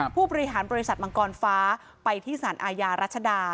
ผู้บริหารบริษัทมังกรฟ้าไปที่สารอาญารัชดา